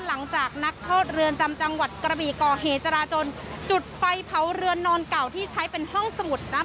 นักโทษเรือนจำจังหวัดกระบีก่อเหตุจราจนจุดไฟเผาเรือนนอนเก่าที่ใช้เป็นห้องสมุดนะคะ